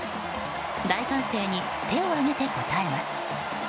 大歓声に手を上げて応えます。